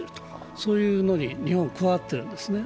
そういうのに日本は加わっているんですね。